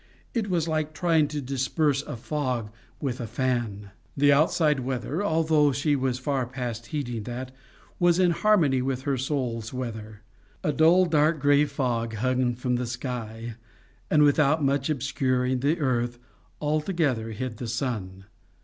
It was like trying to disperse a fog with a fan. The outside weather, although she was far past heeding that, was in harmony with her soul's weather. A dull dark grey fog hung from the sky, and without much obscuring the earth altogether hid the sun.